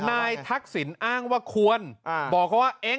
นายทักศิลป์อ้างว่าควรบอกเขาว่าเองอ่ะ